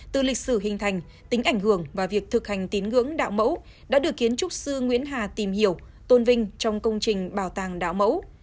từ lịch sử hình thành tính ảnh hưởng và việc thực hành tín ngưỡng đạo mẫu đã được kiến trúc sư nguyễn hà tìm hiểu tôn vinh trong công trình bảo tàng đạo mẫu